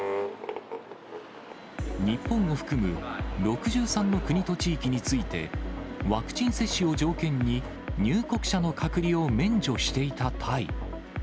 日本を含む６３の国と地域について、ワクチン接種を条件に、入国者の隔離を免除していたタイ。